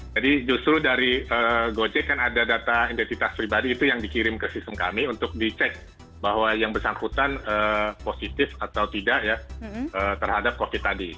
jadi justru dari gojek kan ada data identitas pribadi itu yang dikirim ke sistem kami untuk dicek bahwa yang bersangkutan positif atau tidak ya terhadap covid tadi